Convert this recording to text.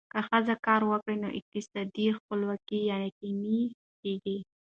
که ښځه کار وکړي، نو اقتصادي خپلواکي یقیني کېږي.